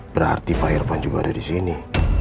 berarti pak irvan juga ada di sini